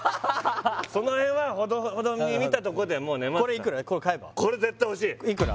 その辺はほどほどに見たとこでもう寝ますからこれいくら？